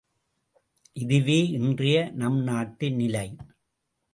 இதுவே, இன்றைய நம்நாட்டு நிலை.